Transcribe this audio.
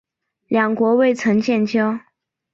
两国未曾建交。